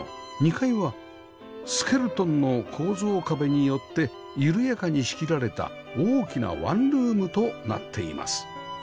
２階はスケルトンの構造壁によって緩やかに仕切られた大きなワンルームとなっています